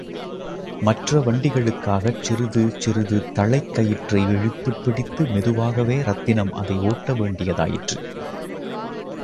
மற்ற வண்டிகளுக்காகச் சிறிது சிறிது தளைக் கயிற்றை இழுத்துப் பிடித்து மெதுவாகவே ரத்தினம் அதை ஓட்டவேண்டியதாயிற்று.